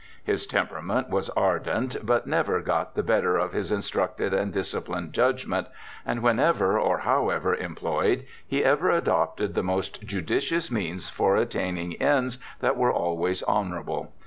His temperament was ardent, but never got the better of his instructed and disciplined judgement, and whenever or however employed, he ever adopted the most judicious means for attaining ends that were always honourable.